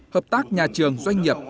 hợp tác nhà trường doanh nghiệp